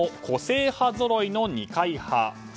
個性派ぞろいの二階派。